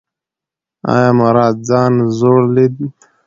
ایا مراد ځان زوړ لید؟